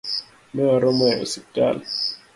Newaromo e osiptal